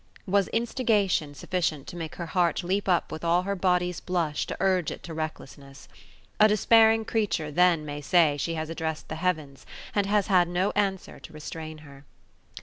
was instigation sufficient to make her heart leap up with all her body's blush to urge it to recklessness. A despairing creature then may say she has addressed the heavens and has had no answer to restrain her.